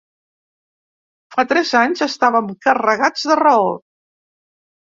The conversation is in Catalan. Fa tres anys estàvem carregats de raó.